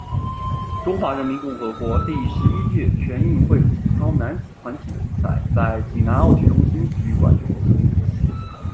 中华人民共和国第十一届全运会体操男子团体比赛在济南奥体中心体育馆举行。